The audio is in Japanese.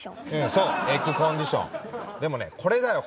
そうエッグコンディションでもねこれだよ